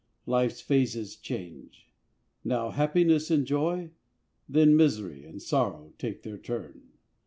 Life's phases change: now happiness and joy; Then misery and sorrow take their turn.